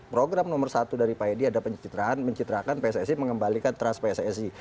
program nomor satu dari pak edi ada pencitraan mencitrakan pssi mengembalikan trust pssi